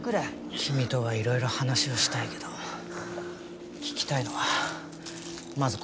君とはいろいろ話をしたいけど聞きたいのはまずこれだ。